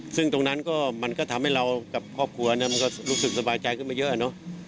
ซึ่งตรงนั้นก็มันก็ทำให้เรากับครอบครัวมันก็รู้สึกสบายใจขึ้นมาเยอะเนอะ